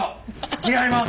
違います。